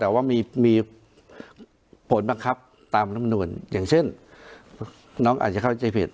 แต่ว่ามีผลบังคับตามลำนวนอย่างเช่นน้องอาจจะเข้าใจผิด